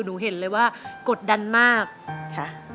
หนูเห็นเลยว่ากดดันมากค่ะค่ะ